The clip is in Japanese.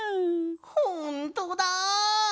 ほんとだ！